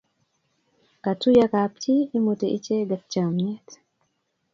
Katuiyo kapchi, imuti icheget chomyet